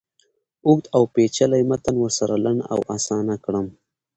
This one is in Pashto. اوږد اوپیچلی متن ورسره لنډ او آسانه کړم.